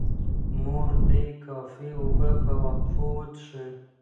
مور دې کافي اوبه په وقفو وڅښي.